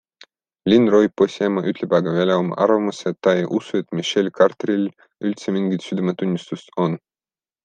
Lynn Roy, poisi ema, ütleb aga välja oma arvamuse, et ta ei usu, et Michelle Carteril üldse mingit südametunnistust on.